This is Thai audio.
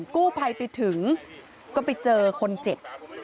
กู้ภัยไปถึงก็ไปเจอคนเจ็บ